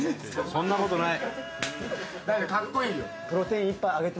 そんなことない。